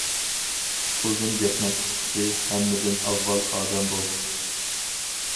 ئۇزۇن گەپنىڭ قىسقىسى : ھەممىدىن ئاۋۋال ئادەم بول!